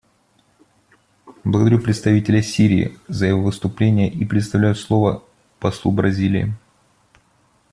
Благодарю представителя Сирии за его выступление и предоставляю слово послу Бразилии.